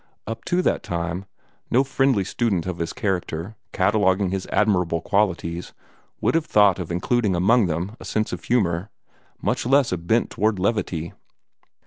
Up to that time no friendly student of his character, cataloguing his admirable qualities, would have thought of including among them a sense of humor, much less a bent toward levity.